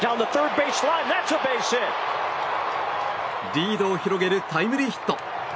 リードを広げるタイムリーヒット。